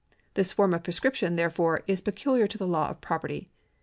This form of prescription, therefore, is pecu liar to the law of property.